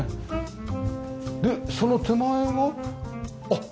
でその手前があっ！